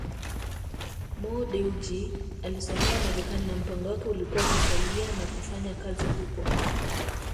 Mo Dewji alisomea Marekani na mpango wake ulikuwa kusalia na kufanya kazi huko